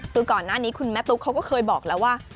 คือก่อนหน้านี้คุณแม่ตุ๊กเขาก็เคยบอกแล้วว่า